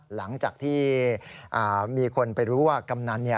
หลังจากที่มีคนไปรู้ว่ากำนัน